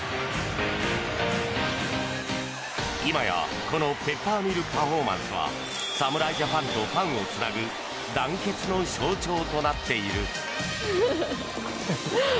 今や、このペッパーミルパフォーマンスは侍ジャパンとファンをつなぐ団結の象徴となっている。